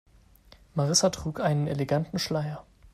Marissa trug einen eleganten Schleier.